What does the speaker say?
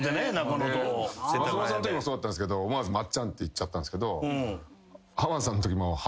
松本さんときもそうだったんすけど思わずまっちゃんって言っちゃったんすけど。